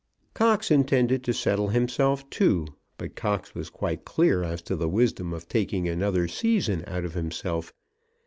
Cox intended to settle himself too, but Cox was quite clear as to the wisdom of taking another season out of himself.